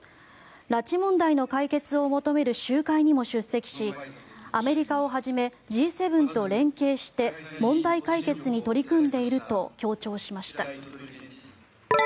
拉致問題の解決を求める集会にも出席しアメリカをはじめＧ７と連携して問題解決に取り組んでいると強調しました。